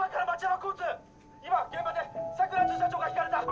今現場で桜巡査長がひかれた！